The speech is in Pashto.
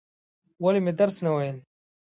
ولې مې درس نه وایل؟